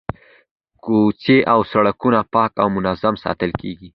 کوڅې او سړکونه پاک او منظم ساتل کیږي.